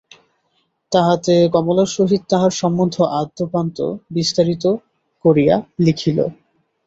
তাহাতে কমলার সহিত তাহার সম্বন্ধ আদ্যোপান্ত বিস্তারিত করিয়া লিখিল।